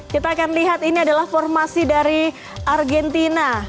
kita akan lihat ini adalah formasi dari argentina